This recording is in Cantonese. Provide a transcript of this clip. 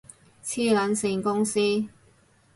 黐撚線公司